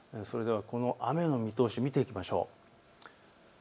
それではこの雨の見通しを見ていきましょう。